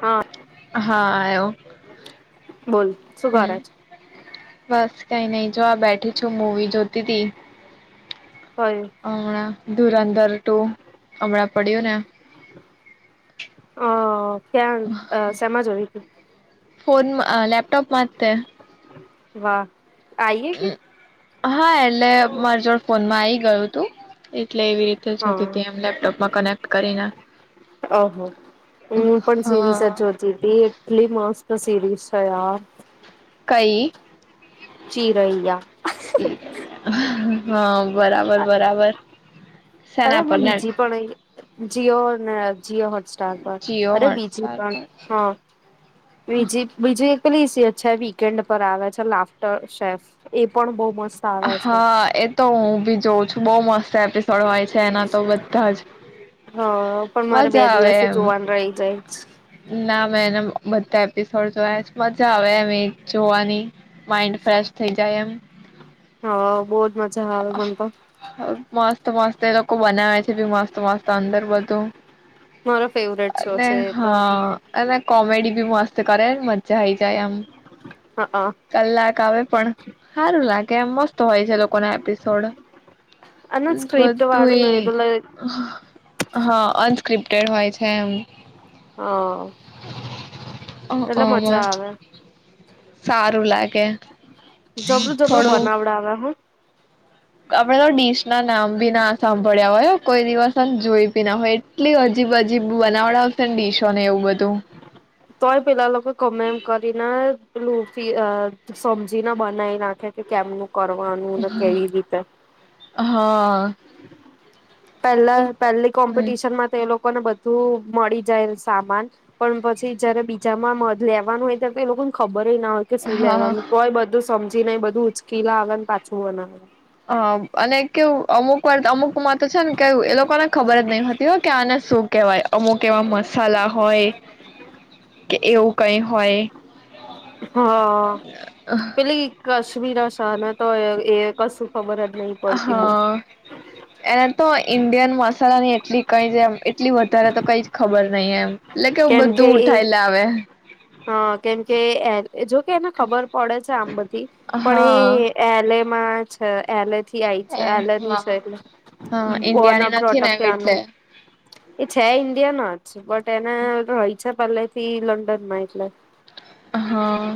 હા હા [inaudible] બોલ શુ કરેશ ક્યાં નહી જો આ બેઠી છું મુવી જોતી તી કયું હમણાં ધુરંદર ટુ હમણાં પડ્યોને હ ક્યાં સેમા જોયે ફોનમા અ લેપટોપ માટે વાહ આઈએ કે હા એટલે મારી જોડે ફોનમાં આઈ ગયું તું એટલે એવી રીતે શ સુધ હતી હા એમ લેપટોપમાં કનેક્ટ કરીને ઓહ હું પણ હા સીરીઝચ હોતી હતી એટલી મસ્ત સીરીઝ અચ્છા કઈ ચિરૈયા હા બરાબર બરાબર અરે સેના પર નેટ બીજી પણ જીઓને જીઓ હોટસ્ટાર પણ જીઓ અરે બીજી હોટસ્ટાર પણ પર હ બજી બ પ્લીઝ છે વીકેન્ડ પર આવે છે લાફ્ટર શેફ એ પણ બહ મસ્ત આવે છે હા એ તો હું ભી જોઉં છું. બહુ મસ્ત એપિસોડ હોય છે. એના તો બધા જ હ પણ મારે બે મજા આવે દિવસથી એમ જોવાનું રહી જાય ના મેં એને બધા એપિસોડ જોયા મજા આવે એમ જોવાની માઇન્ડ ફ્રેશ થઈ જાય એમ હા બહુ મજા આવે મને તો મા [unintelligible] મસ્ત મસ્ત એ લોકો બનાવે છે બી મસ્ત મસ્ત અંદર બધું મારો ફેવરેટ શો અને છે એ તો હા અને કોમેડી બી મસ્ત કરે મજા હઇ જાય આમ હા કલાક આવે પણ સારું લાગે કેમ મસ્ત હોય છે લોકોને સોડા અને સ્ક્રિપ્ટ બધું વાળું એ ને એટલે હા અનસ્ક્રિપ્ટેડ હોય છે એમ હ એટલે મજા આવે સારું લાગે જબરું જબરું થોડું બનાવડાવ્યા હું આપડે તો ડીશ ના નામ ભી ના સાંભળ્યા હોય કોઈ દિવસ જોઈ બી ના હોય એટલી અજીબ અજીબ બનાવડાવશે ને ડીશોને એવું બધું તોય પેલા લોકો કમેમ કરીને પેલુ અ પી સમજીને બનાવી નાખે કે કેમનું કરવાનું ને કેવી રીતે હા પહેલા પહેલી હમ કોમ્પિટિશન માં તે લોકો લોકોને બધું મળી જાય સામાન પણ પછી જયારે બીજામાં મ લેવાનું હોય ત તો એ લોકોને ખબર બબ ના હોય કે શું હા લેવાનું તોય બધું સમજીને બધું ઉચકીલા આવે ને પાછું બનાવે હ અને કેવું અમુક વાર્ અમુક માં તો છે ને કે એ લોકોને ખબર જ નહી હોતી હો કે આને શું કેવાય અમુક એવા મસાલા હોય કે એવું કઈ હોય હા પેલા એક કશમીરા શાહ તો એ કશું ખબર હતી હા એને તો ઇન્ડિયન મસાલાની એટલી કઈ છેમ એટલી વધારે તો કઈ જ ખબર અહીં કેમકે એ હ કેમકે જોકે એને ખબર પડે છે આમ બધી, હા પણ એલે માં છે, એલે છે એટલે, એ હા એટલેન્રટનું હા ઈન્ડિયાની નથી ને એટલે એ છે ઇન્ડિયાન જ. સુ બટ તેના રય છે પહેલે થી લંડનમાં એટલે. હા.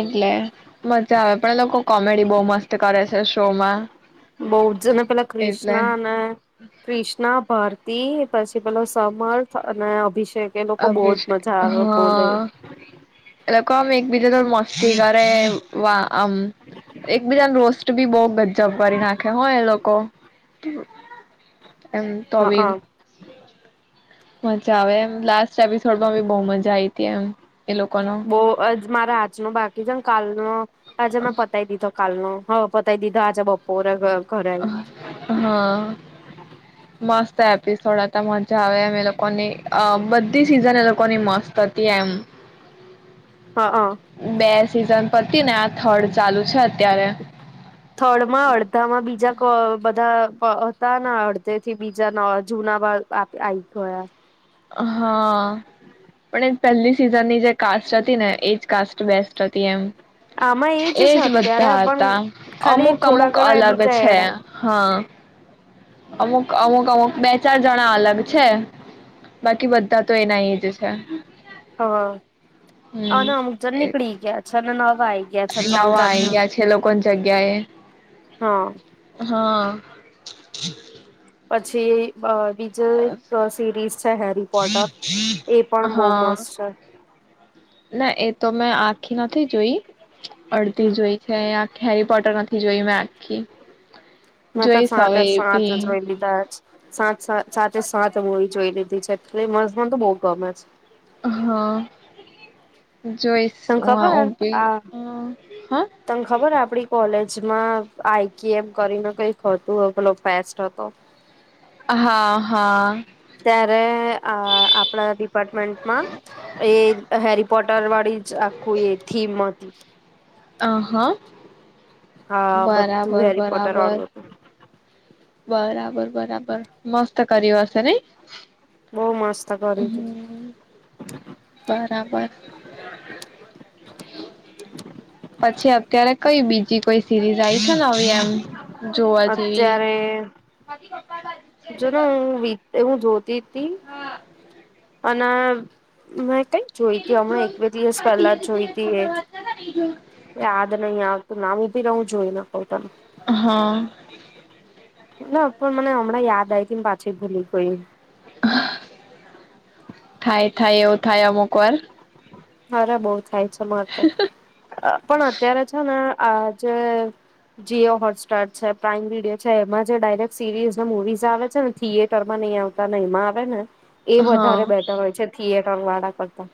એટલે, મજા આવે પણ એ લોકો કોમેડી બઉુ મસ્ત કરે છે. અ સોમા બહુ જ જને પેલા કૃષ્ણા અને કૃિષ્ણા ભારતી પછી પેલો સમર્થ અને અભિશેક. અભીષ હા, એ લોકો આમ એકબીજા તો મસ્તી કરે આમ એકબીજાને રો તો બહુ ગજબ કરી નાખે હોય એ લોકો. તે એમ તોવી હા મજા આવે એમ લાસ્ટ બી થોડી બહુ મજા આ આવી હતી એમ. એ લોકોનો બહ મારા હાથ ન બાકી જ કાલનું અજે મેં પતાવી દીધો. કાલ નો હવે પતાય દીધા આજે બપોરે. હ હા, મસ્ત. એપિસોડ હતા મજા આવે એમ એ લોકોની બધી સિઝન એ લોકોની મસ્ત હતી એમ. બે સિઝન પતિ ને આ થર્ડ ચાલુ છે અત્યારે. થર્ડમાં અડધામાં બીજા ક બધા હતા અડધે થી બીજા જૂના બા આવી ગયા. હા. પણ પહેલી સિઝનની જે કાસ્ટ હતી ને એજ કાસ્ટ બેસ્ટ હતી એમ. આમાં એ જ એજ છે અત્યારે બધા પણ હતા, ખાલી અમુક થોડા અમુક ઘણા અલગ બીજા છે એડ આઈ હા. અમુક અમુક અમુક બે ચાર જણા અલગ છે, બાકી બધા તો એના એ જ છે. હા, આ હમ અમુક જન નીકળી ગયા છે અને આઈ ગયા છે નવા ત્રણ ચાર આવીઈ જણ ગયા છે લોકોની જગ્યા એ. હા હા. પછી એ બીજો એક સિરીઝ છે હેરી પોટર એ પણ બહ હા મસ્ત છે ના એ તો મેં આખી નથી જોઈ અડધી હમ જો હોય છે હેરી પોટર નથી જોઈ મેં આખી મે તો જોઈશ સાત હવે એ સાત બી જોઈ લીધા સાત સા સાત મુવી જોઈ લીધા એટલે મસ્ત બહુ ગમે છે હા જોઈશ તને ખબર હુ હે ભી આ તને ખબર હ આપડી કોલેજ આઈ કી એમ કરીને કઈ હતુ પેલો પેસ્ટ હતો હા હા ત્યારે આપણા ડિપારમેન્ટ મા એ હેરી પોટર વાળી આખું એ થીમ હતી [inaudible] અ હા હા બધું બરાબર હેરી પોટર બરાબર વાળું હતું બરાબર બરાબર મસ્ત કરયુ હશે નહી બહુ મસ્ત કર્યું હતું. હમ્મ બરાબર પછી અત્યારે કઈ બીજી કોઈ સિરીઝ આઈ ચાલને એમ જોવા જેવી અત્યારે [inaudible] જો ને હુ વી એ હું જોત ના ક જોઈતી હમણા એક બે દિવસ પહેલા જોઈતી એ યાદ નહી આવતું નામ ઉભી રહું જોઈ ને કઉં તને હા [inaudible] ના પણ મને હમણાં યાદ આવીઈ તી ને પાછી ભૂલી ગઈ થાય થાય એવું થાય અમુક વાર અરે બઉુ થાય છે પણ અત્યારે છે ને આ જે જીઓ હોટસ્ટાર છે પ્રાાઈમ વિડીયો છે એમાં જે ડાયરેક્ટ સિરીઝને મુવીઝ આવે છે ને થિયેટરમાં નહી આવતા ને એમાં આવે ને એ વધારે હા બેટર હોય છે થી એક ફલવાડા કરતા.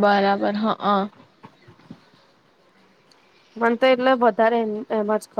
બરાબર હ અ મને તો એટલે વધારે એમ જ.